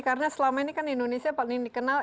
karena selama ini kan indonesia paling dikenal